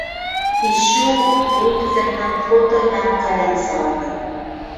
Ишшү... - ул кеҫәһенән фото һәм ҡәләм сығарҙы.